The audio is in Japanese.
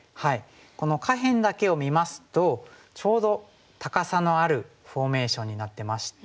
この下辺だけを見ますとちょうど高さのあるフォーメーションになってまして。